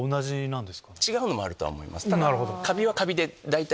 違うのもあるとは思います。